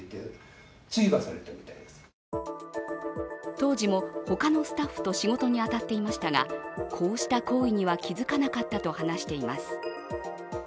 当時も他のスタッフと仕事に当たっていましたがこうした行為には気づかなかったと話しています。